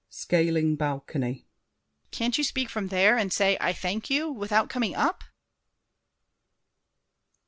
[Scaling balcony. DIDIER. Can't you speak from there And say "I thank you" without coming up?